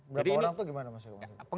berapa orang itu gimana pak seko